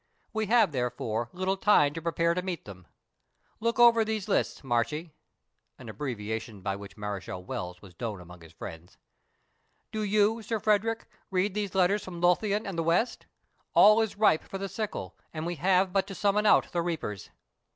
We have, therefore, little time to prepare to meet them. Look over these lists, Marchie (an abbreviation by which Mareschal Wells was known among his friends). Do you, Sir Frederick, read these letters from Lothian and the west all is ripe for the sickle, and we have but to summon out the reapers."